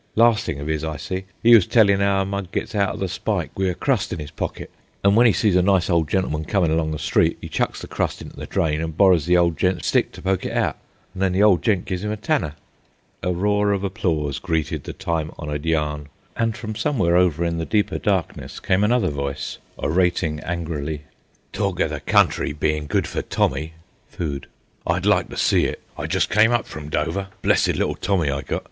Las' thing of 'is I see, 'e was tellin' 'ow a mug gets out o' the spike, wi' a crust in 'is pockit. An' w'en 'e sees a nice ole gentleman comin' along the street 'e chucks the crust into the drain, an' borrows the old gent's stick to poke it out. An' then the ole gent gi'es 'im a tanner." A roar of applause greeted the time honoured yarn, and from somewhere over in the deeper darkness came another voice, orating angrily: "Talk o' the country bein' good for tommy [food]; I'd like to see it. I jest came up from Dover, an' blessed little tommy I got.